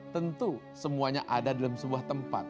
tentu semuanya ada dalam sebuah tempat